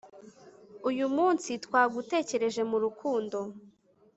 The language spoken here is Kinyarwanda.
uyu munsi twagutekereje mu rukundo